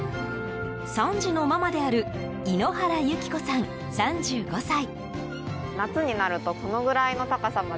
３児のママである猪原有紀子さん、３５歳。